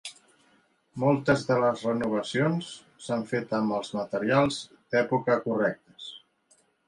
Moltes de les renovacions s'han fet amb els materials d'època correctes.